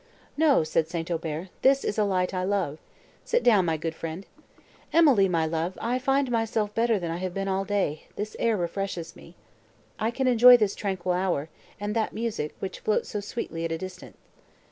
"No," said St. Aubert, "this is a light I love. Sit down, my good friend. Emily, my love, I find myself better than I have been all day; this air refreshes me. I can enjoy this tranquil hour, and that music, which floats so sweetly at a distance.